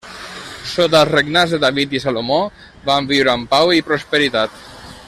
Sota els regnats de David i Salomó van viure amb pau i prosperitat.